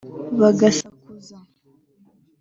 bagasakuza